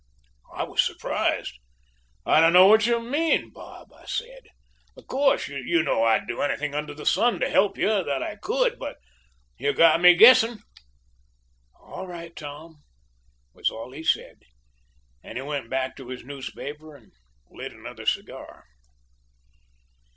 "I was surprised. 'I don't know what you mean, Bob,' I said. 'Of course, you know that I'd do anything under the sun to help you that I could. But you've got me guessing.' "'All right, Tom,' was all he said, and he went back to his newspaper and lit another cigar.